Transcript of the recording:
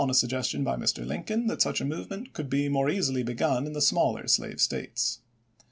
a suggestion by Mr. Lincoln that such a movement could be more easily begun in the smaller slave States.